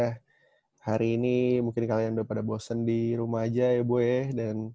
hari ini mungkin kalian udah pada bosen di rumah aja ya bu ya